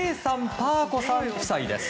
パー子さん夫妻です。